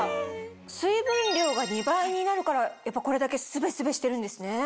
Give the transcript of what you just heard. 水分量が２倍になるからこれだけスベスベしてるんですね。